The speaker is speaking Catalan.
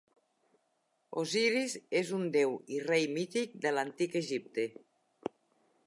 Osiris és un déu i rei mític de l'antic Egipte.